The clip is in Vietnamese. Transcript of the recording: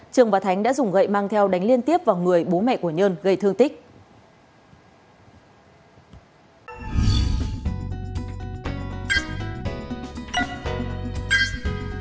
trường và thánh đã dùng gậy mang theo đánh liên tiếp vào người bố mẹ của nhơn gây thương tích